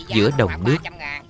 giữa đồng nước